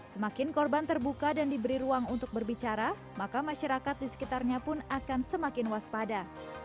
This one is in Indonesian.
semakin korban terbuka dan diberi ruang untuk berbicara maka masyarakat di sekitarnya pun akan semakin waspada